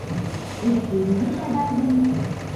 ஒரு பெரிய தடாகம்.